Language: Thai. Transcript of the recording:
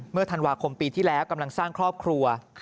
เมื่อธันวาคมปีที่แล้วกำลังสร้างครอบครัว